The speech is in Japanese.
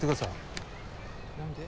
何で？